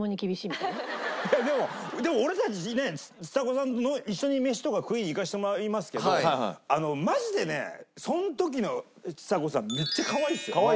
でも俺たちねちさ子さんと一緒に飯とか食いに行かせてもらいますけどマジでねその時のちさ子さんめっちゃかわいいですよ